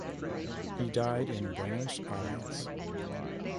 He died in Buenos Aires.